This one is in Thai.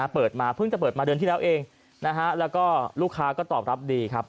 เปิดมาเพิ่งจะเปิดมาเดือนที่แล้วเองนะฮะแล้วก็ลูกค้าก็ตอบรับดีครับ